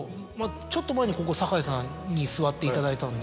ちょっと前にここ堺さんに座っていただいたので。